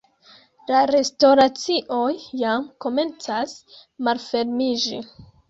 la restoracioj jam komencas malfermiĝi